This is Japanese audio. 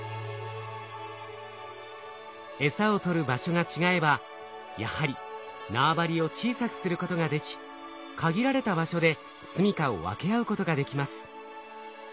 エサを取る場所が違えばやはり縄張りを小さくすることができ限られた場所ですみかを分け合うことができます。